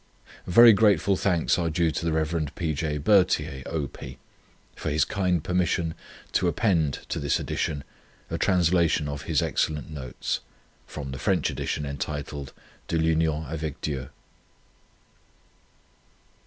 Very grateful thanks are due to Rev. P. J. Berthier, O.P., for his kind permission to append to this edition a translation of his excellent notes (from the French edition, entitled " De 1 Union avec Dieu